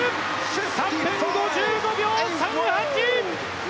３分５５秒３８！